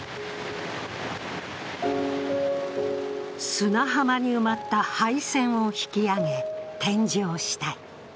砂浜に埋まった廃船を引き上げ、展示をしたい。